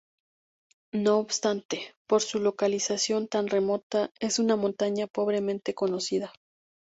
No obstante, por su localización tan remota, es una montaña pobremente conocida.